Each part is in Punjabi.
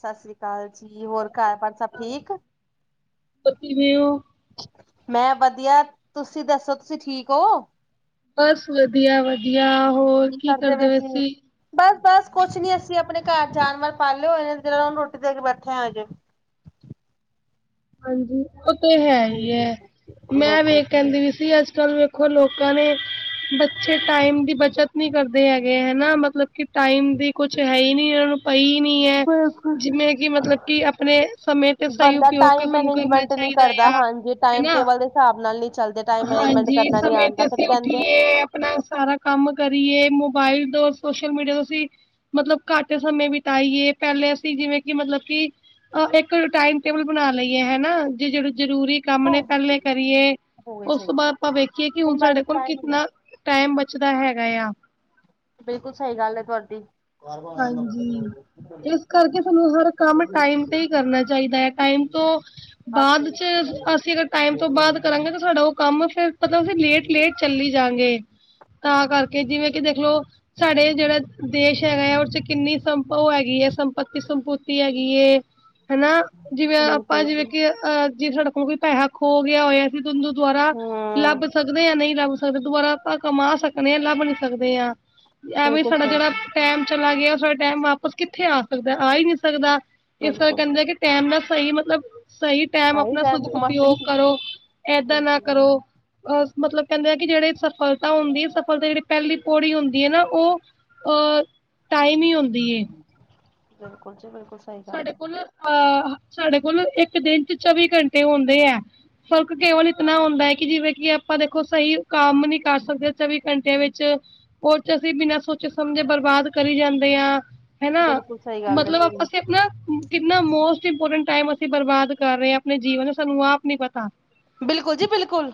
ਸਸ ਸ੍ਰੀ ਕਾਲ ਜੀ ਹੋਰ ਘਰ ਬਾਰ ਸਭ ਠੀਕ ਉਹ ਕਿਵੇਂ ਓ? ਮੈਂ ਵਧੀਆ, ਤੁਸੀਂ ਦੱਸੋ ਤੁਸੀਂ ਠੀਕ ਓ? ਬਸ ਵਧੀਆ- ਵਧੀਆ, ਹੋਰ ਕੀ ਕਰਦੇ ਪੈ ਸੀ? ਬਸ -ਬਸ ਕੁਛ ਨੀ ਅਸੀਂ ਆਪਣੇ ਘਰ ਜਾਨਵਰ ਪਾਲੇ ਹੋਏ ਜਿਹੜੇ ਰੋਟੀ ਦੇ ਕੇ ਬੈਠੇ ਆ ਅਜੇ। ਹਾਂਜੀ, ਉਹ ਤੇ ਹੈ ਹੀ ਐ, ਮੈਂ ਵੇਖ ਕਹਿੰਦੀ ਵੀ ਸੀ ਅੱਜ-ਕੱਲ ਦੇਖੋ ਲੋਕਾਂ ਨੇ ਬੱਚੇ ਟਾਈਮ ਦੀ ਬੱਚਤ ਨੀ ਕਰਦੇ ਹੈਗੇ ਐ ਨਾ ਮਤਲਬ ਕੀ ਟਾਈਮ ਦੀ ਕੁਛ ਹੈ ਹੀ ਨਈ ਇੰਨਾ ਨੂੰ ਪਈ ਨੀ ਐ, ਜਿਨੇ ਕੀ ਮਤਲਬ ਕੀ ਆਪਣੇ ਸਮੇਂ ਤੇ ਸਹੀ ਉਪਯੋਗ ਕੋਈ ਸਾਨੂੰ ਕਰਨਾ ਮੈਨੇਜਮੈਂਟ ਨੀ ਚਾਹੀਦਾ ਕਰਦਾ ਆ। ਹਾਂਜੀੇ ਟਾਈਮ ਹਨਾ ਟੇਬਲ ਦੇ ਹਿਸਾਬ ਨਾਲ ਨੀ ਚੱਲਦੇ ਟਾਈਮ ਮੈਨੇਜਮੈਂਟ ਹਾਂਜੀ ਕਰਨਾ ਨੀ ਸਮੇਂ ਆਣ ਕਿਆ ਤੇ ਫਰਕ ਅਸੀਂ ਪੈਂਦਾ ਉੱਠੀਏ ਆਪਣਾ ਸਾਰਾ ਕੰਮ ਕਰੀਏ, ਮੋਬਾਇਲ ਤੋਂ ਸੋਸ਼ਲ ਮੀਡੀਆ ਤੋਂ ਅਸੀਂ ਮਤਲਬ ਘੱਟ ਸਮੇਂ ਬਿਤਾਈਏ, ਪਹਿਲੇ ਅਸੀਂ ਜਿਵੇਂ ਕਿ ਮਤਲਬ ਕੀ ਓ ਇੱਕ ਟਾਈਮ ਟੇਬਲ ਬਣਾ ਲਈਏ ਹੈ ਨਾ, ਜੇ ਜਿਹੜੇ ਜਰੂਰੀ ਕੰਮ ਨੇ ਹੋ ਪਹਿਲੇ ਕਰੀਏ, ਗਈ ਉਸ ਸਹੀ, ਤੋਂ ਬਾਅਦ ਆਪਾਂ ਵੇਖੀਏ ਕਿ ਹੁਣ ਮੈਂ ਸਾਡੇ ਕੋਲ ਸਹੀ ਮੈਂ ਕਿਤਨਾ ਟਾਈਮ ਬਚਦਾ ਹੈਗਾ ਆ। ਬਿਲਕੁਲ ਸਈ ਗੱਲ ਐ ਤੁਹਾਡੀ। ਹਾਂਜੀ, ਇਸ ਕਰਕੇ ਤੁਾਨੂੰ ਹਰ ਕੰਮ ਟਾਈਮ ਤੇ ਹੀ ਕਰਨਾ ਚਾਹੀਦਾ ਹੈ ਟਾਈਮ ਤੋਂ ਅੱਠ ਬਾਅਦ ਮਿੰਟ ਚ ਅਸੀਂ ਅਗਰ ਟਾਈਮ ਤੋਂ ਬਾਅਦ ਕਰਾਂਗੇ, ਤਾਂ ਸਾਡਾ ਉਹ ਕੰਮ ਫ਼ਿਰ ਮਤਲਬ ਫਿਰ ਲੇਟ- ਲੇਟ ਚੱਲੀ ਜਾਗੇ। ਤਾਂ ਕਰਕੇ ਜਿਵੇਂ ਕਿ ਦੇਖਲੋ, ਸਾਡੇ ਜੇੜਾ ਦੇਸ਼ ਹੈਗਾ ਐ ਓਹ ਚ ਕਿੰਨੀ ਸੰਪ ਓਹ ਹੈਗੀ ਐ ਸੰਪਤੀ ਸੰਪੁਤੀ ਹੈਗੀ ਏ। ਹਨਾ ਜਿਵੇਂ ਆਪਾਂ ਬਿਲਕੁਲ ਜਿਵੇਂ ਜੀ, ਕਿ ਅ ਜੇ ਸਾਡਾ ਕੋਈ ਪੈਹਾ ਖੋ ਗਿਆ ਹੋਏ। [unintelligible] ਦੁਆਰਾ ਹੂੰ ਲੱਭ ਸਕਦੇ ਆ ਨਹੀਂ ਲੱਬ ਸਕ- ਪੈਸੇ ਦੁਬਾਰਾ ਆਪਾਂ ਕਮਾ ਸਕਨੇ ਆ ਲੱਭ ਨੀ ਸਕਦੇ ਆ ਐਵੇਂ ਬਿਲਕੁਲ ਸਾਡਾ ਸਹੀ, ਜੇੜਾ ਟਾਈਮ ਚਲਾ ਗਿਆ। ਉਹ ਸਾਡਾ ਟਾਈਮ ਵਾਪਸ ਕਿੱਥੇ ਆ ਸਕਦਾ ਆ ਹੀ ਨਹੀਂ ਸਕਦਾ। ਇਸ ਕਰਕੇ ਬਿਲਕੁਲ। ਕਹਿੰਦੇ ਕਿ ਟਾਈਮ ਦਾ ਸਯੀ ਮਤਲਬ ਸਯੀ ਟਾਈਮ ਸਹੀ ਆਪਣਾ ਗੱਲ ਸ਼ੁਧਉਪਯੋਗ ਬਿਲਕੁਲ ਕਰੋ, ਐਦਾ ਨਾ ਕਰੋ। ਅਹ ਮਤਲਬ ਕਹਿੰਦੇ ਆ ਕਿ ਜੇੜੇ ਸਫਲਤਾ ਹੁੰਦੀ ਹੈ। ਸਫਲਤਾ ਜੇੜੀ ਪਹਿਲੀ ਪੌੜੀ ਹੁੰਦੀ ਐ ਨਾ ਓ ਔਰ ਟਾਈਮ ਈ ਹੁੰਦੀ ਏ ਬਿਲਕੁਲ ਜੀ ਬਿਲਕੁਲ ਸਹੀ ਗੱਲ ਸਾਡੇ ਹੈ। ਕੋਲ ਅਹ ਸਾਡੇ ਕੋਲ ਇੱਕ ਦਿਨ ਚ ਚੌਵੀ ਘੰਟੇ ਹੁੰਦੇ ਐ ਫ਼ਰਕ ਕੇਵਲ ਇਤਨਾ ਹੁੰਦਾ ਹੈ। ਕਿ ਜਿਵੇਂ ਕਿ ਆਪਾਂ ਦੇਖੋ ਸਹੀ ਕੰਮ ਨੀ ਕਰ ਸਕਦੇ ਚੌਵੀ ਘੰਟਿਆਂ ਵਿੱਚ ਓਚ ਅਸੀਂ ਬਿਨਾਂ ਸੋਚੇ ਸਮਝੇ ਬਰਬਾਦ ਕਰੀ ਜਾਂਦੇ ਆ ਹੈਨਾ ਬਿਲਕੁਲ ਸਹੀ ਗੱਲ ਹੈ ਮਤਲਬ ਜੀ। ਆਪਾਂ ਹਨਾ ਕਿੰਨਾ ਮੋਸਟ ਇੰਪੋਰਟੈਂਟ ਟਾਈਮ ਅਸੀਂ ਬਰਬਾਦ ਕਰ ਰਹੇ ਹਾਂ ਆਪਣੇ ਜੀਵਨ ਸਾਨੂੰ ਆਪ ਨੀ ਪਤਾ। ਬਿਲਕੁਲ ਜੀ ਬਿਲਕੁਲ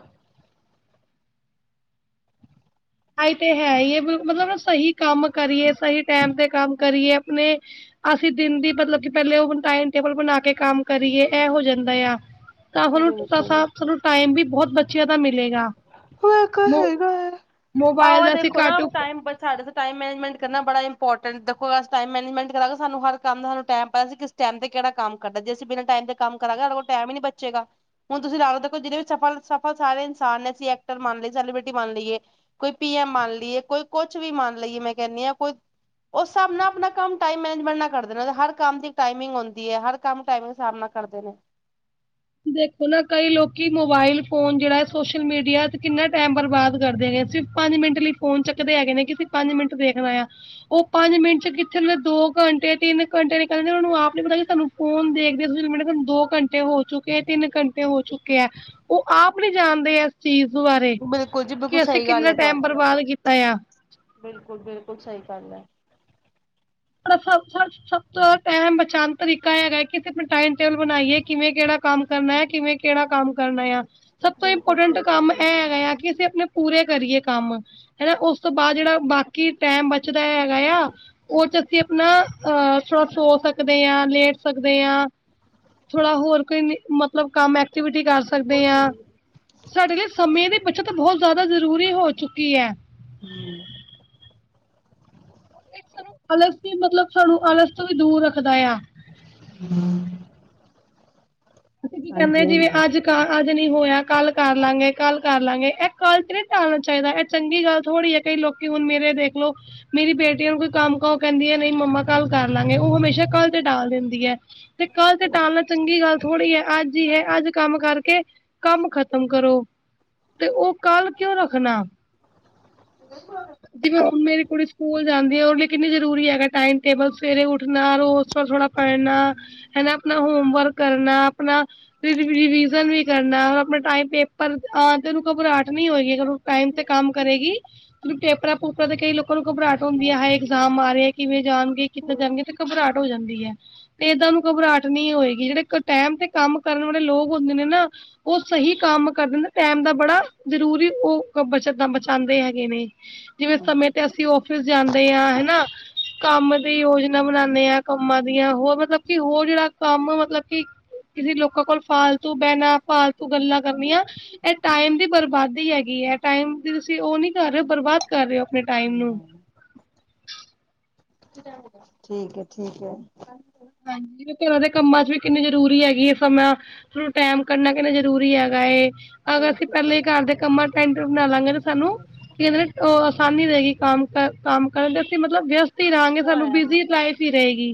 ਆਈ ਤੇ ਹੈ ਹੀ ਬਿਲੁ ਮਤਲਬ ਸਹੀ ਕੰਮ ਕਰੀਏ ਸਈ ਟਾਈਮ ਤੇ ਕੰਮ ਕਰੀਏ ਆਪਨੇ ਅਸੀਂ ਦਿਨ ਦੀ ਮਤਲਬ ਕਿ ਪਹਿਲੇ ਉਹ ਟਾਈਮ ਟੇਬਲ ਬਣਾ ਕੇ ਕੰਮ ਕਰੀਏ ਐ ਹੋ ਜਾਂਦਾ ਆ ਤਾ ਹੁਨ ਅ ਅ ਤਾਂ ਬਿਲਕੁਲ। ਸਾਨੂੰ ਟਾਈਮ ਵੀ ਬਹੁਤ ਬੱਚਿਆਂ ਦਾ ਮਿਲੇਗਾ। ਬਿਲਕੁਲ ਮੋ ਹੈਗਾ ਮੋਬਾਇਲ ਦਾ ਅਸੀ ਘੱਟ ਉਪ ਪਰ ਸਾਡੇ ਟਾਈਮ ਮੈਨੇਜਮੈਂਟ ਕਰਨਾ ਬੜਾ ਇੰਪੋਟੈਂਟ ਦੇਖੋ ਇਸ ਟਾਈਮ ਮੈਨੇਜਮੈਂਟ ਕਰਾਂਗੇ ਸਾਨੂੰ ਹਰ ਕੰਮ ਦਾ ਟਾਈਮ ਪਤਾ ਸੀ। ਕਿਸ ਟਾਈਮ ਤੇ ਕੇੜਾ ਕੰਮ ਕਰਦਾ, ਜੇ ਅਸੀਂ ਬਿਨਾਂ ਟਾਈਮ ਤੇ ਕੰਮ ਕਰਾਂਗੇ ਸਾਡੇ ਕੋਲ ਟਾਈਮ ਨੀ ਬਚੇਗਾ। ਹੁਣ ਤੁਸੀਂ ਲਾਲੋ ਜ਼ਿਨੇ ਵੀ ਸਫਲ-ਸਫਲ ਸਾਰੇ ਇਨਸਾਨ ਨੇ ਅਸੀਂ ਐਕਟਰ ਮੰਨ ਲਈਏ ਸੈਲੀਬ੍ਰਿਟੀ ਮੰਨ ਲਈਏ‌। ਕੋਈ ਪੀ ਐੱਮ ਮੰਨ ਲਈਏ ਕੋਈ ਕੁਛ ਵੀ ਮੰਨ ਲਈਏ ਮੈਂ ਕਹਿੰਨੀ ਆ ਕੋਈ ਉਸ ਹਿਸਾਬ ਨਾਲ ਆਪਣਾ ਕੰਮ ਟਾਈਮ ਮੈਜਮੈਂਟ ਨਾਲ ਕਰਦੇ ਨੇ ਹਰ ਕੰਮ ਦੀ ਟਾਈਮਿੰਗ ਹੁੰਦੀ ਹੈ। ਹਰ ਕੰਮ ਟਾਈਮ ਹਿਸਾਬ ਨਾਲ ਕਰਦੇ ਨੇ। ਦੇਖੋ ਨਾ ਕਈ ਲੋਕੀ ਮੋਬਾਇਲ ਫੋਨ ਜੇੜਾ ਏ ਸੋਸ਼ਲ ਮੀਡੀਆ ਤੇ ਕਿੰਨਾ ਟੈਮ ਬਰਬਾਦ ਕਰਦੇ ਨੇ ਸਿਰਫ ਪੰਜ ਮਿੰਟ ਲਈ ਫ਼ੋਨ ਚੱਕਦੇ ਹੈਗੇ ਨੇ ਕਿਉਂਕਿ ਪੰਜ ਮਿੰਟ ਵੇਖਣਾ ਯਾ। ਓਹ ਪੰਜ ਮਿੰਟ ਚ ਕਿੱਥੇ ਨੇ ਦੋ ਘੰਟੇ ਤਿੰਨ ਘੰਟੇ ਨਿਕਲਨੇ ਉਹਨੂੰ ਆਪ ਨੀ ਪਤਾ ਕਿ ਸਾਨੂੰ ਫੋਨ ਦੇਖਦੇ ਤੁਸੀਂ [unintelligible] ਦੋ ਘੰਟੇ ਹੋ ਚੁੱਕੇ ਕੇ ਤਿੰਨ ਘੰਟੇ ਹੋ ਚੁੱਕੇ ਅ, ਓਹ ਆਪ ਨੀ ਜਾਣਦੇ ਐ। ਚੀਜ਼ ਬਾਰੇ ਬਿਲਕੁਲ ਜੀ ਬਿਲਕੁਲ ਕਿ ਅਸੀਂ ਸਹੀ ਕਿੰਨਾ ਟਾਈਮ ਬਰਬਾਦ ਕੀਤਾ ਯਾ ਬਿਲਕੁਲ-ਬਿਲਕੁਲ ਸਹੀ ਗੱਲ ਐ। [unintelligible] ਸਭ ਤੋਂ ਟੈਮ ਬਚਾਨ ਤਰੀਕਾ ਹੈਗਾ ਕਿ ਅਸੀ ਆਪਨਾ ਟਾਈਮ ਟੇਬਲ ਬਨਾਈਏ ਕਿਵੇਂ ਕੇੜਾ ਕੰਮ ਕਰਨਾ ਆ ਕਿਵੇਂ ਕੇੜਾ ਕੰਮ ਕਰਨਾ ਯਾ ਸਭ ਤੋਂ ਬਿਲਕੁਲ ਇੰਪੋਟੈਂਟ ਸਹੀ ਕੰਮ ਗੱਲ ਇਹ ਹੈ। ਹੈਗਾ ਆ ਕਿ ਅਸੀਂ ਆਪਣੇ ਪੂਰੇ ਕਰੀਏ ਕੰਮ ਹਨਾ। ਓਸ ਤੋਂ ਬਾਦ ਜੇੜਾ ਬਾਕੀ ਟੈਮ ਬਚ ਬਚਦਾ ਹੈਗਾ ਯਾ ਓਚ ਅਸੀਂ ਆਪਨਾ- ਅਹ ਥੋੜ੍ਹਾ ਸੋ ਸਕਦੇ ਯਾ, ਥੋੜਾ ਲੇਟ ਸਕਦੇ ਯਾ। ਥੋੜਾ ਹੋਰ ਕੋਈ, ਮਤਲਬ ਕੰਮ ਐਕਟੀਵਿਟੀ ਕਰ ਸ ਕਦੇ ਆ ਹਾਂਜੀ ਸਾਡੇ ਲਈ ਸਮੇਂ ਦੀ ਬੱਚਤ ਬਹੁਤ ਜਾਦਾ ਜ਼ਰੂਰੀ ਹੋ ਚੁੱਕੀ ਐ। ਹੈਲੋ ਇਹ ਸਾਨੂੰ ਅਲਸ ਤੋਂ ਮਤਲਬ ਸਾਨੂੰ ਆਲਸ ਤੋਂ ਵੀ ਦੂਰ ਰੱਖਦਾ ਆ। ਨਾ ਅਸੀਂ ਕੀ ਕੈਂਨੇ ਆ ਜਿਵੇ ਅੱਜ ਅੱਜ ਨਈ ਹੋਇਆ ਕੱਲ ਕਰ ਲਾਂਗੇ ਕੱਲ ਕਰ ਲਾਂਗੇ ਇਹ ਕੱਲ ਤ੍ਰੀ ਟਾਲਣਾ ਚਾਈਦਾ ਐ ਚੰਗੀ ਗੱਲ ਥੋੜ੍ਹੀ ਐ ਕਈ ਲੋਕੀ ਹੁਣ ਮੇਰੇ ਦੇਖ ਲੋ ਮੇਰੀ ਬੇਟੀਆਂ ਨੂੰ ਕੋਈ ਕੰਮ ਕੈਂਦੀਆਂ ਨਈ ਮੰਮਾ ਕੱਲ ਕਰ ਲਾਂਗੇ ਓ ਹਮੇਸ਼ਾ ਕਲ ਤੇ ਟਾਲ ਦਿੰਦੀ ਐ ਤੇ ਕੱਲ ਤੇ ਟਾਲਣਾ ਚੰਗੀ ਗੱਲ ਕਿ ਅੱਜ ਈ ਏ ਅੱਜ ਕੰਮ ਕਰਕੇ ਕੰਮ ਖਤਮ ਕਰੋ ਤੇ ਓ ਕੱਲ ਕਿਉ ਰੱਖਣਾ। [inaudible] ਜਿਵੇਂ ਹੁਣ ਮੇਰੀ ਕੁੜੀ ਸਕੂਲ ਜਾਂਦੀ ਆ ਓ ਲਈ ਕਿੰਨੀ ਜ਼ਰੂਰੀ ਹੈਗਾ ਟਾਈਮ ਟੇਬਲ ਸਵੇਰੇ ਉੱਠਣਾ ਰੋਜ ਥੋੜਾ ਪੜਣਾ ਹਨਾ ਆਪਣਾ ਹੋਮਵਰਕ ਕਰਨਾ ਆਪਣਾ ਰਿਵਿਜ਼ਨ ਵੀ ਕਰਨਾ ਆਪਣਾ ਟਾਈਮ ਪੇਪਰ ਆ ਜਾਣ ਉਨੂੰ ਘਬਰਾਹਟ ਨੀ ਹੋਏਗੀ। ਟਾਈਮ ਤੇ ਕੰਮ ਕਰੇਗੀ। ਪੇਪਰਾਂ ਪੂਪਰਾਂ ਤੇ ਕਈ ਲੋਕਾਂ ਨੂੰ ਘਬਰਾਹਟ ਹੁੰਦੀ ਐ ਹਾਏ ਇਗਜ਼ਾਮ ਆ ਰਿਆ ਏ ਕਿਵੇਂ ਜਾਣਗੇ ਕਿੱਥੇ ਕਰਨਾ ਤੇ ਘਬਰਾਟ ਹੋ ਜਾਂਦੀ ਐ। ਤੇ ਏਦਾਂ ਨੂੰ ਘਬਰਾਹਟ ਨਈ ਹੋਏਗੀ ਜੇੜੇ ਟਾਈਮ ਤੇ ਕੰਮ ਕਰਨ ਵਾਲੇ ਲੋਕ ਹੁੰਦੇ ਨੇ ਨਾ। ਓ ਸਹੀ ਕੰਮ ਕਰ ਦਿੰਦੇ ਟੈਮ ਬੜਾ ਜ਼ਰੂਰੀ ਓ ਬਚਤ ਦਾ ਬਚਾਂਦੇ ਹੈਗੇ ਨੇ। ਜਿਵੇਂ ਸਮੇਂ ਤੇ ਅਸੀਂ ਔਫਿਸ ਜਾਂਦੇ ਹਾਂ ਹਨਾ। ਕੰਮ ਦੀ ਯੋਜਨਾ ਬਣਾਦੇ ਆ ਕੰਮਾਂ ਦੀਆਂ ਹੋਰ ਮਤਲਬ ਕੀ ਹੋਰ ਜੇੜਾ ਕੰਮ ਮਤਲਬ ਕਿ ਕਿਸੇ ਲੋਕਾਂ ਕੋਲ ਫਾਲਤੂ ਬੈਨਾਂ ਫਾਲਤੂ ਗੱਲਾਂ ਕਰਨੀਆਂ। ਐ ਟਾਈਮ ਦੀ ਬਰਬਾਦੀ ਹੈਗੀ ਐ ਟਾਈਮ ਦੀ ਤੁਸੀਂ ਓ ਨੀ ਕਰ ਰਏ ਓ। ਬਰਬਾਦ ਕਰ ਰਏ ਓ ਆਪਣੇ ਟਾਈਮ ਨੂੰ ਠੀਕ ਐ ਠੀਕ ਐ। ਹਾਂਜੀ ਘਰਾਂ ਦੇ ਕੰਮਾਂ 'ਚ ਵੀ ਕਿੰਨੀ ਜ਼ਰੂਰੀ ਹੈਗੀ ਏ ਸਮਾਂ ਫੇਰ ਓ ਟੈਮ ਕੱਢਣਾ ਕਿੰਨਾ ਜਰੂਰੀ ਹੈਗਾ। ਅਗਰ ਅਸੀਂ ਪੈਲਾਂ ਈ ਬਿਲਕੁਲ ਘਰ ਦੇ ਕਿਉਂ ਕੰਮਾਂ ਟੈਮ ਟੇਬਲ ਬਣਾ ਲਾਂਗੇ ਤੇ ਸਾਨੂੰ ਕੀ ਕੈਂਦੇ ਨੇ ਓ ਆਸਾਨੀ ਰਏਗੀ ਕੰਮ-ਕੰਮ ਕਰਨ ਦੇ ਅਸੀਂ ਮਤਲਬ ਵਿਅਸਤ ਤੀ ਰਾਂਗੇ ਸਾਨੂੰ ਬਿਜ਼ੀ ਲਾਈਫ ਈ ਰਏਗੀ।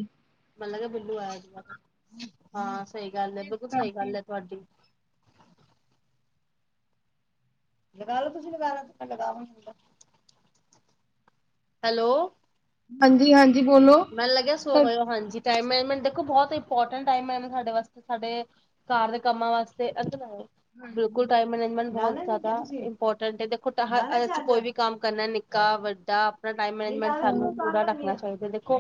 ਮਤਲਬ ਕਿ ਬਿੱਲੂ ਆਇਆ ਸੀ ਜ ਹਾਂ ਸਈ ਗੱਲ ਏ ਇਸ ਬਿਲਕੁਲ ਸਈ ਕਰਕੇ ਗੱਲ ਏ ਤੁਹਾਡੀ ਤੇ ਗੱਲ ਕੁਛ ਨਈ ਕਰ ਸਕਦਾ ਬੰਦਾ ਹੈਲੋ ਹਾਂਜੀ-ਹਾਂਜੀ ਬੋਲੋ। ਮੈਨੂੰ ਲੱਗਿਆ ਸੋ ਹਾਂ ਗਏ ਹੋ ਹਾਂਜੀ ਟੈਮ ਮੈਮੈਂਟ ਦੇਖੋ ਬਹੁਤ ਇੰਪੋਰਟੈਂਟ ਟੈਮ ਹਾਡੇ ਵਾਸਤੇ ਸਾਡੇ ਘਰ ਦੇ ਕੰਮਾਂ ਵਾਸਤੇ ਬਿਲਕੁਲ ਟੈਮ ਮੈਨੇਜਮੈਂਟ ਇੰਪੋਰਟੈਂਟ ਦੇਖੋ ਕੋਈ ਵੀ ਕੰਮ ਕਰਨਾ ਨਿੱਕਾ ਵੱਡਾ ਆਪਣਾ ਟਾਈਮ ਮੈਨਜਮੈਂਟ ਸਾਨੂੰ ਪੂਰਾ ਰੱਖਣਾ ਚਾਈ ਖੋ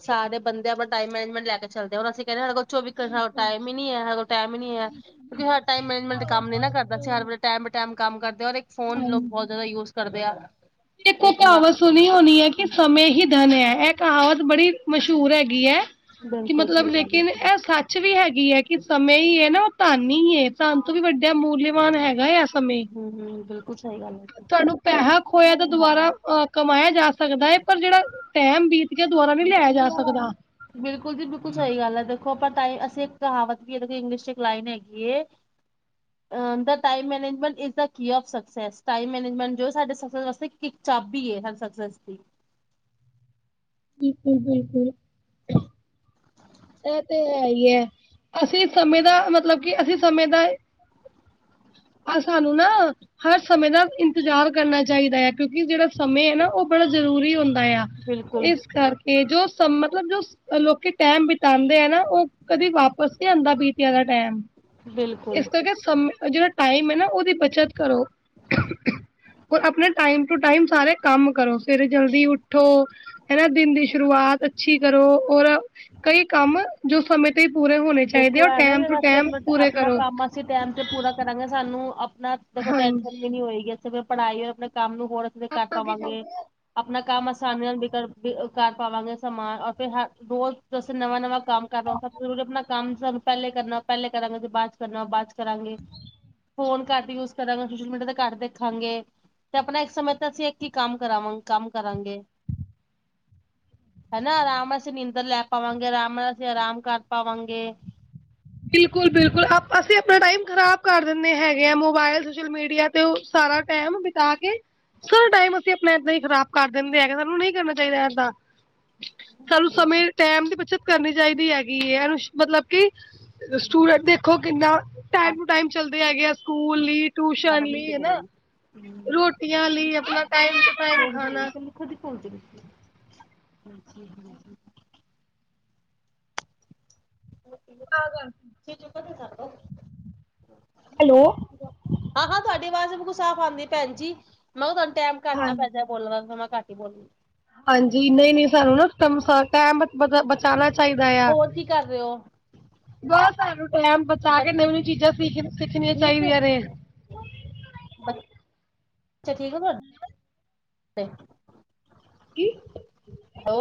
ਸਾਰੇ ਬੰਦੇ ਆਪਣਾ ਟਾਈਮ ਮੈਨੇਜਮੈਂਟ ਲੈ ਕੇ ਚਲਦੇ ਆ ਹੁਣ ਅਸੀਂ ਕੈਂਦੇ ਸਾਡੇ ਕੋ ਚਵੀ ਘੰ ਬਿਲਕੁਲ-ਬਿਲਕੁਲ-ਬਿਲਕੁਲ ਟੈਮ ਈ ਨੀ ਹੈੇ ਕੋਲ ਟਾਈਮ ਈ ਕਿਉਂਕਿ ਹਰ ਟਾਈਮ ਤੁਸੀਂ ਮੈਨੇਜਮੈਂਟ ਆਪਣਾ ਘਰ ਕੰਮ ਨੀ ਨਾ ਕਰਦਾ ਸੀ ਹਰ ਦਾ ਅ ਵੇ ਟੈਮ ਬਟੈਮ ਕੰਮ ਕਰਦੇ ਔਰ ਇੱਕ ਫੋਨ ਲੋਕ ਹਾਂਜੀ। ਬੋਤ ਜਾਦਾ ਯੂਜ ਕਰਦੇ ਆ ਦੇਖੋ ਇੱਕ ਨਾ ਦ ਨ ਐ ਕਹਾਵਤ ਬੜੀ ਮਸ਼ਹੂਰ ਹੈਗੀ ਐ ਕਿ ਬਿਲਕੁਲ ਮਤਲਬ ਸਹੀ ਗੱਲ ਲੇਕਿਨ ਹੈ ਐ ਸੱਚ ਕੁਛ ਵੀ ਹੈਗੀ ਹੈ ਕਿ ਸਮੇਂ ਈ ਐ ਧੰਨ ਈ ਓ ਧੰਨ ਈ ਐ ਧੰਨ ਤੋਂ ਵੀ ਵੱਡਾ ਮੂਲ ਲੇ ਮਾਨ ਹੈਗਾ ਐ ਸਮੇਂ ਬਿਲਕੁਲ ਸਈ ਗੱਲ ਏ। ਤੁਹਾਨੂੰ ਪੈਸਾ ਖੋਇਆ ਤਾਂ ਦੁਬਾਰਾ ਅਹ ਕਮਾਇਆ ਜਾ ਸਕਦਾ ਹੈ ਪਰ ਜਿਹੜਾ ਟੈਮ ਬੀਤ ਗਿਆ ਦੁਬਾਰਾ ਨਹੀਂ ਲਿਆਇਆ ਜਾ ਸਕਦਾ [unintelligible] ਬਿਲਕੁਲ ਜੀ, ਬਿਲਕੁਲ। ਸਹੀ ਗੱਲ ਆ, ਦੇਖੋ! ਆਪਾ ਰ ਤਾਂ ਅਸੀਂ ਕਹਾਵਤ ਵੀ ਹੈ, ਇੰਗਲਿਸ਼ ਚ ਇੱਕ ਲਾਈਨ ਹੈਗੀ ਏ। [inaudible] ਦਾ time management is the key of success, time management ਜੋ ਸਾਡੇ ਸਫਲ ਵਾਸਤੇ ਇੱਕ ਚਾਬੀ ਏ, ਹਰ ਸਕਸੇਸ ਦੀ ਬਿਲਕੁਲ, ਬਿਲਕੁਲ ਐ ਤੇ ਹੈ ਹੀ ਏ। ਅਸੀਂ ਸਮੇਂ ਦਾ ਮਤਲਬ ਕਿ ਅਸੀਂ ਸਮੇਂ ਦਾ ਅ--ਸਾਨੂੰ ਨਾ ਹਰ ਸਮੇਂ ਦਾ ਇੰਤਜ਼ਾਰ ਕਰਨਾ ਚਾਹੀਦਾ ਹੈ ਕਿਉਂਕਿ ਜਿਹੜਾ ਸਮੇ ਹੈ ਨਾ ਉਹ ਬੜਾ ਜ਼ਰੂਰੀ ਹੁੰਦਾ ਆ। ਇਸ ਕਰਕੇ ਏ ਜੋ ਮਤਲਬ ਜੋ ਲੋਕੀ ਟਾਈਮ ਵਿੱਚ ਆਂਦੇ ਆ ਨਾ ਉਹ ਕਦੀ ਵਾਪਿਸ ਨੀ ਆਉਂਦਾ ਬੀਤਿਆ ਵਾ ਟਾਈਮ। ਬਿਲਕੁਲ-ਬਿਲਕੁਲ ਇਸ ਕਰਕੇ ਸਮੇਂ ਜਿਹੜਾ ਟਾਈਮ ਐ ਨਾ ਓਦੀ ਬੱਚਤ ਕਰੋ। ਔਰ ਆਪਣੇ ਟਾਈਮ ਟੂ ਟਾਈਮ ਸਾਰੇ ਕੰਮ ਕਰੋ। ਫਿਰ ਜਲਦੀ ਉਠੋ, ਹੈਨਾ ਦਿਨ ਦੀ ਸ਼ੁਰੂਆਤ ਅੱਛੀ ਕਰੋ, ਔਰ ਕਈ ਕੰਮ ਜੋ ਸਮੇਂ ਤੇ ਹੀ ਪੂਰੇ ਹੋਣੇ ਚਾਹੀਦੇ ਦੇਖੋ ਔਰ ਇਹ ਨਾ ਕਿ ਟੂ ਅਸੀਂ ਟੈਮ ਆਪਣਾ ਪੂਰੇ ਆਪਣਾ ਕਰੋ। ਕੰਮ ਅਸੀਂ ਟਾਈਮ ਤੇ ਪੂਰਾ ਕਰਾਂਗੇ, ਸਾਨੂੰ ਆਪਣਾ ਦੇਖੋ ਟੈਨਸ਼ਨ ਵੀ ਹਾਂਜੀ, ਨੀ ਹੋਏਗੀ। ਤੇ ਫਿਰ ਪੜਾਈ ਹੋ, ਆਪਣੇ ਕੰਮ ਨੂੰ ਹੋਰ ਅੱਛੇ ਕਰ ਆਪਾਂ ਕੀ ਪਾਵਾਂਗੇ। ਕਰਦੇ ਆ ਆਪਣਾ ਕੰਮ ਆਸਾਨੀ ਨਾਲ ਵੀ ਕਰ ਬ ਕਰ ਪਾਵਾਂਗੇ ਸਮਾਨ ਅਤੇ ਹਰ ਰੋਜ਼ ਅਸੀਂ ਨਵਾਂ, ਨਵਾਂ ਕੰਮ ਕਰਨਾ ਸਭ ਜ਼ਰੂਰੀ, ਆਪਣਾ ਕੰਮ ਸਾਨੂੰ ਪਹਿਲੇ ਕਰਨਾ, ਪਹਿਲੇ ਕਰਾਂਗੇ ਜੇ ਬਾਅਦ ਚ ਕਰਨਾ, ਬਾਅਦ ਚ ਕਰਾਂਗੇ। ਫ਼ੋਨ ਘੱਟ ਯੂਜ ਕਰਾਂਗੇ, ਸੋਸ਼ਲ ਮੀਡੀਆ ਤੇ ਘੱਟ ਦੇਖਾਂਗੇ। ਤੇ ਆਪਣਾ ਇੱਕ ਸਮੇਂ ਤੇ ਅਸੀਂ ਇੱਕ ਹੀ ਕੰਮ ਕਰਾਵਾਂਗੇ ਕੰਮ ਕਰਾਂਗੇ। ਹਨਾ, ਆਰਾਮ ਅਸੀਂ ਨੀਂਦਰ ਲੈ ਪਾਵਾਂਂਗੇ, ਆਰਾਮ ਨਾਲ ਅਸੀਂ ਆਰਾਮ ਕਰ ਪਾਵਾਂਗੇ। ਬਿਲਕੁਲ, ਬਿਲਕੁਲ‌ ਅਪ ਅਸੀਂ ਆਪਣਾ ਟਾਈਮ ਖ਼ਰਾਬ ਕਰ ਦਿੰਦੇ ਹੈਗੇ ਆ। ਮੋਬਾਇਲ, ਸੋਸ਼ਲ ਮੀਡੀਆ ਤੇ ਓ ਸਾਰਾ ਟਾਈਮ ਬਿਤਾ ਕੇ ਸਾਰਾ ਟਾਈਮ ਅਸੀਂ ਆਪਣਾ ਏਦਾਂ ਹੀ ਖਰਾਬ ਕਰ ਦਿੰਦੇ ਹੈਗੇ। ਸਾਨੂੰ ਨ‌ਈ ਕਰਨਾ ਚਾਹੀਦਾ ਏਦਾਂ। ਸਾਨੂੰ ਸਮੇਂ, ਟਾਈਮ ਦੀ ਬੱਚਤ ਕਰਨੀ ਚਾਹੀਦੀ ਹੈਗੀ ਹੈ। ਮਤਲਬ ਕਿ ਸਟੂਡੈਂਟ ਦੇਖੋ ਕਿੰਨਾ ਟਾਈਮ ਟੂ ਟਾਈਮ ਚੱਲਦੇ ਹੈਗੇ ਆ, ਸਕੂਲ ਲਈ, ਟਊਸ਼ਨ ਬਾਰਾਂ ਮਿੰਟ ਲਈ ਹਨਾ ਕਰੇਗੀ ਰੋਟੀਆਂ ਲਈ, ਆਪਨਾ ਟਾਈਮ ਟੂ ਟਾਈਮ ਖਾਨਾ। ਓਦੀ ਭੁੱਲਜੇਗੀ ਹੈਲੋ ਉੱਚੀ ਜਗਾਹ ਤੇ [unintelligible] ਹੈਲੋ। ਹਾਂ, ਹਾਂ। ਤੁਹਾਡੀ ਆਵਾਜ਼ ਬਿਲਕੁ ਸਾਫ਼ ਆਂਦੀ ਭੈਣ ਜੀ। ਮੈਂ ਕਿਹਾ- ਤੁਹਾਨੂੰ ਟਾਈਮ ਘੱਟ ਨਾ ਹਾਂਜੀ ਪੈ ਜਾਏ। ਓਨਾਂ ਨਾਲ ਤਾਂ ਮੈਂ ਘੱਟ ਈ ਬੋਲਦੀ। ਹਾਂਜੀ। ਨਹੀਂ, ਨਹੀਂ ਸਾਨੂੰ ਨਾ ਟਮ ਸ ਟਾਈਮ ਬ ਬਚਾਉਣਾ ਚਾਈਦਾ ਆ। ਹੋਰ ਕੀ ਕਰ ਰਹੇ ਹੋ? ਬਸ, ਸਾਨੂੰ ਟਾਈਮ ਬਚਾ ਕੇ ਨਵੀਂ, ਬੱਚੇ ਨਵੀਂ ਚੀਜ਼ਾਂ ਸਿਖ ਸਿੱਖਣੀਆਂ ਚਾਈਦੀਆਂ ਨੇ। ਬ--ਬੱਚੇ ਠੀਕ ਆ ਤੁਹਾਡੇ? ਡੇ ਕੀ ਹੈਲੋ।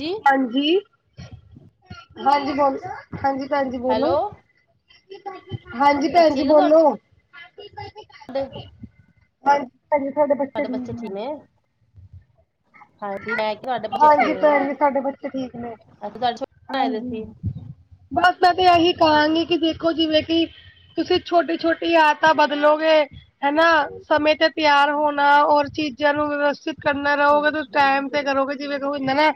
ਜੀ। ਹਾਂਜੀ। ਹਾਂਜੀ, ਬੋਲ ਹਾਂਜੀ, ਹਾਂਜੀ, ਭੈਣ ਜੀ ਬੋਲੋ। ਹੈਲੋ ਹਾਂਜੀ, ਬੱਚੇ ਭੈਣ ਜੀ ਠੀਕ ਨੇ ਬੋਲੋ। [unintelligible] ਹਾਂ ਜੀ, ਭੈਂਜੀ ਤੁਹਾਡੇ ਬੱਚੇ ਠੀਕ ਨੇ? ਹਾਂਜੀ, ਮੈਂ ਤੁਹਾਡੇ ਹਾਂਜੀ, ਭੈਣ ਜੀ ਸਾਡੇ ਬੱਚੇ ਠੀਕ ਨੇ। ਇੱਕ ਗੱਲ ਸੁਣ ਹਾਂਜੀ, ਬਸ ਮੈਂ ਤੇ ਇਹੀ ਕਹਾਂਗੀ ਕਿ ਦੇਖੋ ਜਿਵੇਂ ਕਿ ਤੁਸੀਂ ਛੋਟੀ ਛੋਟੀ ਆਦਤਾਂ ਬਦਲੋਗੇ ਹੈਨਾ। ਸਮੇ ਤੇ ਤਿਆਰ ਹੋਣਾ, ਔਰ ਚੀਜ਼ਾਂ ਨੂੰ ਵਿਵਸਥਿਤ ਕਰਨਾ ਰਹੋਗੇ ਤੁਸੀਂ ਟੈਮ ਤੇ ਕਰੋਗੇ ਜਿਵੇਂ ਕਿ ਹੁੰਦਾ ਸੀ। ਨਾ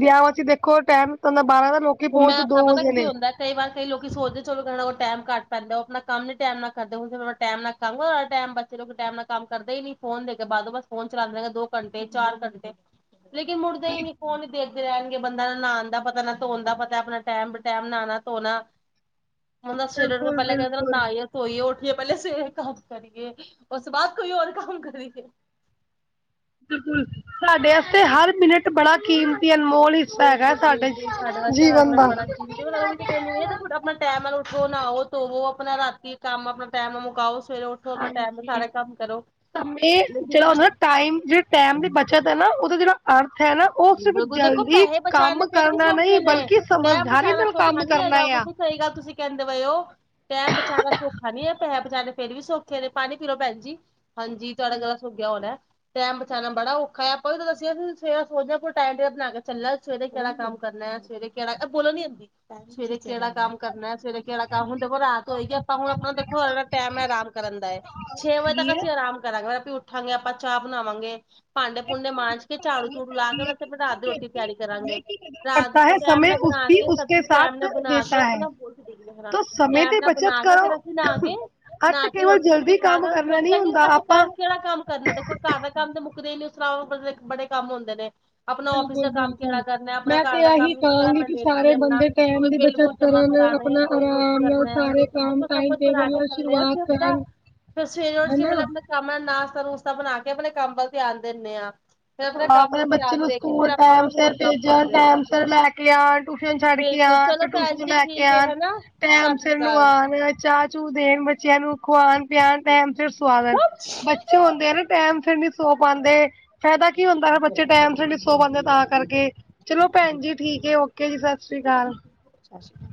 ਵਿਆਵਾਂ 'ਚ ਦੇਖੋ ਟਾਈਮ ਤਾ ਹੁੰਦਾ ਬਾਰਾਂ ਦਾ, ਲੋਕੀ ਹੁਣ ਮੈਂ ਪਹੁੰਚ ਐਸਾ ਦੋ ਪਤਾ ਵਜੇ ਕੀ ਨੇ। ਹੁੰਦਾ ਕਈ ਵਾਰ ਕਈ ਲੋਕੀ ਸੋਚਦੇ ਚਲੋ ਇਹਨਾ ਕੋਲ ਟਾਈਮ ਘੱਟ ਪੈਂਦਾ, ਉਹ ਆਪਣਾ ਕੰਮ ਨੀ ਟਾਈਮ ਨਾਲ ਕਰਦੇ ਹੁਣ ਫਿਰ ਆਪਣਾ ਟਾਈਮ ਨਾਲ ਤਾਈਉ ਏ ਟਾਈਮ ਬੱਚੇ ਲੋਕ ਟਾਈਮ ਨਾਲ ਕੰਮ ਕਰਦੇ ਹੀ ਨੀ, ਫੋਨ ਦੇ ਕੇ ਬਹਾ ਦੋ ਬਸ ਫੋਨ ਚਲਾਉਂਦੇ ਰਹੇਗੇ ਦੋ ਘੰਟੇ ਚਾਰ ਘੰਟੇ। ਲੇਕਿਨ ਮੁੜਦੇ ਹੀ ਨੀ ਫੋਨ ਹੀ ਦੇਖਦੇ ਰਹਿਣਗੇ ਬੰਦਾ ਨੂੰ ਨਹਾਣ ਦਾ ਪਤਾ ਨਾ ਧੋਣ ਦਾ ਪਤਾ ਆਪਣਾ ਟੈਮ ਬ ਟੈਮ ਨਹਾਣਾ ਧੋਣਾ, ਹੁਣ ਸਵੇਰੇ ਉੱਠ ਕੇ ਬਿਲਕੁਲ ਪਹਿਲਾਂ ਕਹਿੰਦੇ ਬਿਲਕੁਲ ਨਾਹ ਧੋਈਏ, ਉੱਠਏ, ਪਹਿਲੇ ਸਵੇਰੇ ਕੰਮ ਕਰੀਏ, ਉਸ ਤੋਂ ਬਾਅਦ ਕੋਈ ਔਰ ਕੰਮ ਕਰੀਏ। ਬਿਲਕੁਲ, ਤੁਹਾਡੇ ਆਸਤੇ ਹਰ ਮਿੰਟ ਬੜਾ ਕੀਮਤੀ ਏ ਅਨਮੋਲ ਹਿ ਸਾਡਾ ਤੁਹਾਡਾ ਜੀਵਨ ਦਾ। ਵੀ ਤੇ ਕਹਿਨੀ ਪਈ ਆਪਣਾ ਟੈਮ ਆ ਉੱਠੋ ਨਹਾਓ ਧੋਵੋ ਆਪਣਾ ਰਾਤੀ ਕੰਮ ਆਪਣਾ ਟੈਮ ਆ ਮੁਕਾਓ। ਸਵੇਰੇ ਉੱਠੋ ਆਪਣਾ ਟਾਈਮ ਨਾਲ ਹਾਂਜੀ, ਸਾਰਾ ਕੰਮ ਕਰੋ ਸਮੇ ਲੇਕਿਨ ਜਿਹੜਾ ਉਹ ਹੁੰਦਾ ਟਾਈਮ ਜਿਹੜੀ ਟਾਈਮ ਦੀ ਬੱਚਤ ਨਾ ਉਹਦਾ ਜਿਹੜਾ ਅਰਥ ਹੈ ਨਾ ਉਹ ਸਿਰਫ਼ ਬਿਲਕੁਲ ਦੇਖੋ ਜਲਦੀ ਪੈਹੇ ਬਚਾਣੇ ਕੰਮ ਫੇਰ ਵੀ ਕਰਨਾ ਨਹੀਂ ਸੌਖੇ ਨੇ ਬਲਕਿ ਟੈਮ ਸਮਝਦਾਰੀ ਬਚਾਣਾ ਨਾਲ ਸੌਖਾ ਕੰਮ ਨੀ ਕਰਨਾ ਹੈਗਾ, ਆ ਬਿਲਕੁਲ ਸਹੀ ਗੱਲ ਤੁਸੀਂ ਕਹਿੰਦੇ ਪਏ ਔ ਟਾਈਮ ਬਚਾਉਣਾ ਸੌਖਾ ਨੀ ਹੈ, ਪੈਸੇ ਬਚਾਣੇ ਫੇਰ ਵੀ ਸੌਖੇ ਨੇ, ਪਾਣੀ ਪੀਲੋ ਭੈਣ ਜੀ। ਹਾਂਜੀ, ਤੁਹਾਡਾ ਗਲਾ ਸੁਕ ਗਿਆ ਹੋਣਾ ਟੈਮ ਬਚਾਉਣਾ ਬੜਾ ਔਖਾ ਹੈ ਵੀ ਤਾਂ ਦੱਸਿਆ ਸੀ। ਸਵੇਰੇ ਸੋਚ ਪੂ ਟਾਈਮ ਬਣਾ ਕੇ ਚੱਲ ਸਵੇਰੇ ਕਿਹੜਾ ਕੰਮ ਕਰਨਾ ਹੈ ਸਵੇਰੇ ਕਿੜਾ ਬੋਲਣੀ ਆਂਦੀ ਸਵੇਰੇ ਕਿਹੜਾ ਕੰਮ ਕਰਨਾ ਸਵੇਰੇ ਕਿੜਾ ਕੰਮ ਹੁਣ ਦੇਖੋ ਰਾਤ ਹੋਏਗੀ, ਆਪਾਂ ਹੁਣ ਆਪਣਾ ਦੇਖੋ ਜਿਹੜਾ ਟਾਈਮ ਹੈ ਆਰਾਮ ਕਰਨ ਦਾ ਹੈ। ਛੇ ਵਜੇ ਤੱਕ ਅਸੀਂ ਆਰਾਮ ਕਰਾਂਗੇ, ਉੱਠਾਂਗੇ ਆਪਾਂ, ਚਾਹ ਬਣਾਵਾਂਗੇ, ਭਾਂਡੇ ਭੂੰਡੇ ਮਾਂਜ ਕੇ ਝਾੜੂ ਕਹਾਵਤ ਝੂੜੂ ਲਾ ਕੇ ਹੈਗੀ ਹੈ ਵੈਸੇ ਕਿ ਆਪਣੇ ਰਾਤ ਜੋ ਦੀ ਰੋਟੀ ਦੀ ਵਿਅਕਤੀ ਤਿਆਰੀ ਸਮੇਂ ਕਰਾਂਗੇ, ਕੀ ਕਦਰ ਰਾਤ ਦੀ ਕਰਤਾ ਰੋ ਹੈ ਟਹਿਮ ਸਮੇਂ ਨਾਲ ਉਸ ਬਣਾ ਕੇ ਉਸਕੇ ਟੈਮ ਸਾਥ ਨਾਲ ਬਣਾ ਕੇ ਦੇਤਾ ਹੈ ਆਪਣਾ ਬੁਰਸ਼ ਦੇ ਮੇਰਾ ਤੋ ਸਮੇਂ ਟਾਈਮ ਦੀ ਨਾ ਬੱਚਤ ਬਣਾਕੇ ਕਰੋ। ਫਿਰ ਅਸੀਂ ਨਹਾਕੇ ਅਰਥ ਨਾ ਕੇ ਕੇਵਲ ਰੋਟੀ ਰੋਟੀ ਜਲਦੀ ਖਾ ਕੰਮ ਕੇ ਕਰਨਾ ਨਹੀਂ ਸੋਚਾਂਗੇ ਹੁੰਦਾ ਅਸੀਂ ਆਪਾਂ ਕੱਲ੍ਹ ਕਿਹੜਾ ਕੰਮ ਕਰਨਾ ਦੇਖੋ। ਘਰ ਦੇ ਕੰਮ ਤੇ ਮੁੱਕਦੇ ਨੀ ਸ਼ਰ ਬੜੇ ਕੰਮ ਹੁੰਦੇ ਨੇ। ਆਪਣਾ ਔਫਸ਼ ਦਾ ਕੰਮ ਕਿਹੜਾ ਬਿਲਕੁਲ-ਬਿਲਕੁਲ ਕਰਨਾ ਆਪਣਾ ਮੈਂ ਤੇ ਘਰ ਦਾ ਕੰਮ ਇਹੀ ਕਿਹੜਾ ਕਹਾਂਗੀ ਕਿ ਮੈਡੇਟਰੀ ਹੈ, ਸਾਰੇ ਆਪਣਾ ਬੰਦੇ ਟੈਮ ਕੋਈ ਦੀ ਬਿਲ ਬੁਲ ਬੱਚਤ ਜਮਾਂ ਕਰਨ ਕਰਾਣੇ ਆਪਣਾ ਕੋਈ ਕੁਛ ਆਰਾਮ ਨਾਲ ਕਰਨਾ ਸਾਰੇ ਬਿਲਕੁਲ ਕੰਮ ਦੇਖੋ ਟਾਈਮ ਕੁਛ ਬਣਾ ਟੇਬਲ ਨਾਲ ਚੱਲੇ ਹਾਂ ਸ਼ੁਰੂਆਤ ਅਸੀਂ ਆਪਣਾ ਕਰਨ ਫਿਰ ਸਵੇਰੇ ਉੱਠ ਕੇ ਹਨਾ। ਪਹਿਲਾਂ ਆਪਣੇ ਕੰਮ ਦਾ ਨਾਸ਼ਤਾ ਨੂਸ਼ਤਾ ਬਣਾ ਕੇ ਆਪਣੇ ਕੰਮ ਵੱਲ ਧਿਆਨ ਦਿੰਨੇ ਆ ਆਪਣੇ ਬੱਚੇ ਨੂੰ ਸਕੂਲ ਆਪਾਂ ਟੈਮ ਸਿਰ ਹੋਰ ਕੰਮ ਭੇਜਿਆ। ਕਰਦੇ ਹਾਂ। ਟੈਮ ਸਿਰ ਲੈ ਕੇ ਆਉਣ। ਟਿਊਸ਼ਨ ਛੱਡ ਕੇ ਬਿਲਕੁਲ ਆ, ਚਲੋ ਫਿਰ ਭੈਣ ਟਿਊਸ਼ਨ ਜੀ ਲੈ ਕੇ ਠੀਕ ਹੈ ਆ, ਹਨਾ ਸਤਿ ਟੈਮ ਸ੍ਰੀ ਸਿਰ ਨੂੰ ਅਕਾਲ। ਆਵੇ ਚਾਹ ਚੂ ਦੇਣ ਬੱ ਬੱਚਿਆਂ ਨੂੰ ਖਵਾਉਣ, ਪਿਆਉਣ ਟੈਮ ਸਿਰ ਸਵਾ ਦੇਣ ਬੱਚੇ ਹੁੰਦੇ ਆ ਨਾ ਟੈਮ ਫਿਰ ਨੀ ਸੋ ਪਾਉਂਦੇ ਫ਼ਾਇਦਾ ਕੀ ਹੁੰਦਾ ਹੈ ਬੱਚੇ ਟਾਈਮ ਤੇ ਨ ਸੋ ਪਾਉਂਦੇ ਤਾਂ ਕਰਕੇ ਚਲੋ ਭੈਣ ਜੀ, ਠੀਕ ਏ ਓਕੇ ਜੀ ਸਤਿ ਸ੍ਰੀ ਅਕਾਲ। ਸਾਸੀਕਾਲ।